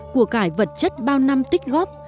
của cải vật chất bao năm tích góp